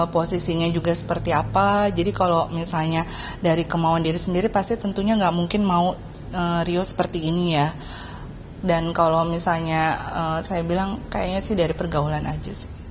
pesinetron rio rayvan diambil kembali di polres metro jakarta barat